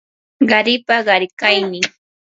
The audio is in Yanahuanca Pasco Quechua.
qaripa qarikaynin